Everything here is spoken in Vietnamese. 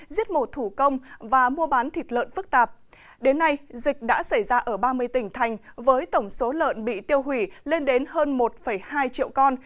dịch đã xảy ra ở ba mươi tỉnh thành với tổng số lợn bị tiêu hủy lên đến hơn một hai triệu con